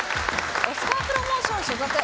オスカープロモーション所属。